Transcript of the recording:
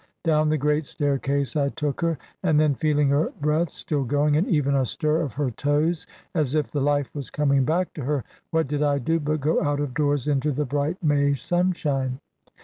Down the great staircase I took her, and then feeling her breath still going, and even a stir of her toes, as if the life was coming back to her, what did I do but go out of doors, into the bright May sunshine?